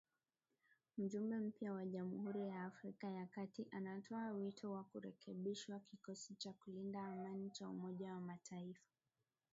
Mjumbe mpya wa Jamhuri ya Afrika ya kati anatoa wito wa kurekebishwa kikosi cha kulinda amani cha Umoja wa Mataifa